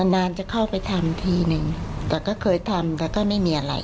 นานจะเข้าไปทำทีนึงแต่ก็เคยทำแต่ก็ไม่มีอะไร